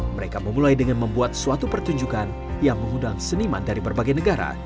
mereka memulai dengan membuat suatu pertunjukan yang mengundang seniman dari berbagai negara